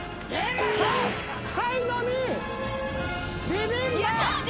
ビビンバ。